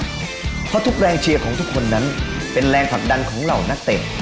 เพราะทุกแรงเชียร์ของทุกคนนั้นเป็นแรงผลักดันของเหล่านักเตะ